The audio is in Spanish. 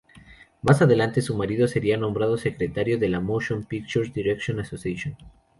Más adelante su marido sería nombrado secretario de la Motion Picture Directors’ Association.